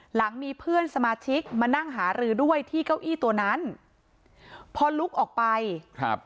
หลังมีเพื่อนสมาชิกมานั่งหารือด้วยที่เก้าอี้ตัวนั้นพอลุกออกไปครับ